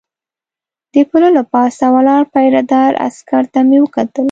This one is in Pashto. د پله له پاسه ولاړ پیره دار عسکر ته مې وکتل.